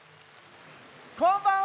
こんばんは！